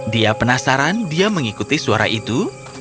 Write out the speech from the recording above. dia penasaran dia mengikuti suara itu